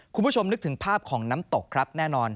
คุณผู้ชมนึกถึงภาพของน้ำตกครับแน่นอน